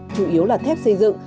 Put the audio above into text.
chủ yếu là thép xây dựng